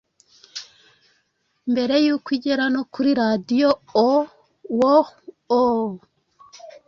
Mbere yuko igera no kuri radio, oh-woah-oh